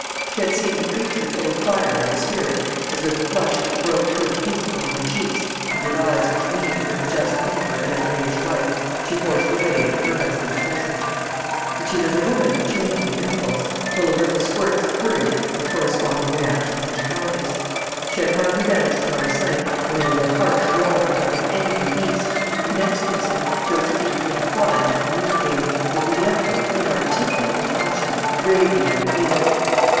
She had seemed a creature full of fire and of spirit as, with a flush which broke through the paint upon her cheeks, and with eyes which gleamed with the just anger of an outraged wife, she forced her way into her husband's presence. But she was a woman of change and impulse, full of little squirts of courage and corresponding reactions into cowardice. She had hardly vanished from our sight when there was a harsh roar, like an angry beast, and next instant Josephine came flying into the room again, with the Emperor, inarticulate with passion, raving at her heels.